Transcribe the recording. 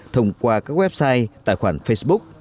thông qua các website tài khoản facebook